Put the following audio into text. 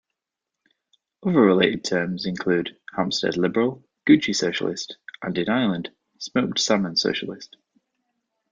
Other related terms include "Hampstead liberal, Gucci socialist", and in Ireland "smoked salmon socialist".